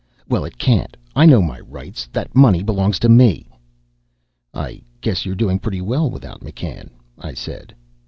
"Well, it can't. I know my rights. That money belongs to me." "I guess you're doing pretty well without McCann," I said.